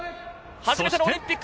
初めてのオリンピック。